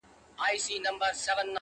o چي شال يې لوند سي د شړۍ مهتاجه سينه.